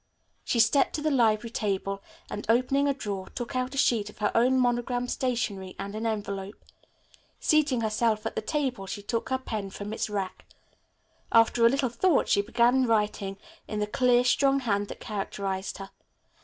She stepped to the library table and, opening a drawer, took out a sheet of her own monogrammed stationery and an envelope. Seating herself at the table, she took her pen from its rack. After a little thought she began writing in the clear, strong hand that characterized her.